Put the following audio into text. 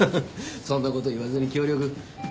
そんなこと言わずに協力えっ？